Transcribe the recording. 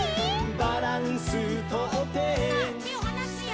「バランスとって」さあてをはなすよ。